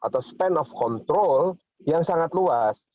dan memiliki kontrol yang luas